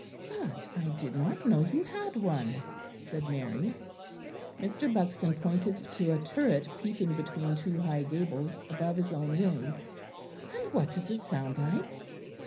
"But I did not know you had one," said Mary. Mr. Buxton pointed to a turret peeping between two high gables, above his own room. "And what does it sound like?"